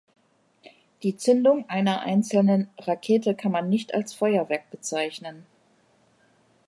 Die Zündung einer einzelnen Rakete kann man nicht als Feuerwerk bezeichnen.